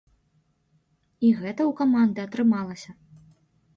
І гэта ў каманды атрымалася.